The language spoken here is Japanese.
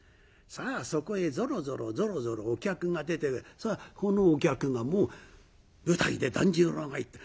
さあそこへぞろぞろぞろぞろお客が出てこのお客がもう舞台で團十郎が言った。